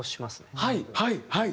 はい。